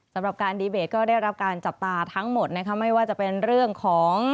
สำหรับการดีเบตก็ได้รับการจับตาทั้งหมดนะคะไม่ว่าจะเป็นเรื่องของ